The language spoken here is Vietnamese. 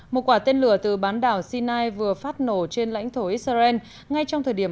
một quả tên lửa từ bán đảo sinai vừa phát nổ trên lãnh thổ israel ngay trong thời điểm